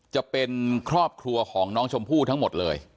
จะเป็นครอบครัวของน้องชมพู่ทั้งหมดเลย